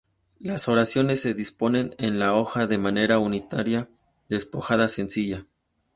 Las oraciones se disponen en la hoja de manera unitaria, despojada, sencilla.